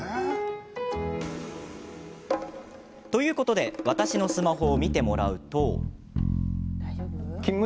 ということで私のスマホを見てもらうと。